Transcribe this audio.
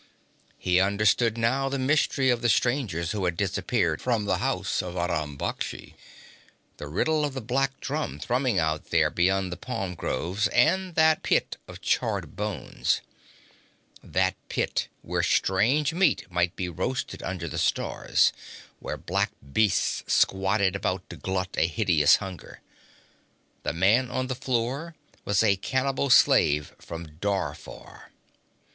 He understood now the mystery of the strangers who had disappeared from the house of Aram Baksh; the riddle of the black drum thrumming out there beyond the palm groves, and of that pit of charred bones that pit where strange meat might be roasted under the stars, while black beasts squatted about to glut a hideous hunger. The man on the floor was a cannibal slave from Darfar.